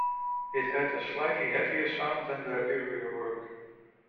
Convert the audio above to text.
It had a slightly heavier sound than their earlier work.